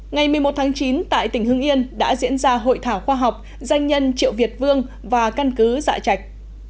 ngày một mươi một tháng chín tại tỉnh hưng yên đã diễn ra hội thảo khoa học danh nhân triệu việt vương và căn cứ dạ chạch